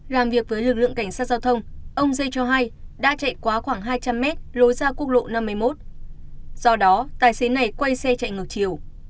làm việc với lực lượng cảnh sát giao thông ông giê cho hay đã chạy quá khoảng hai trăm linh mét lối ra quốc lộ năm mươi một do đó tài xế này quay xe chạy ngược chiều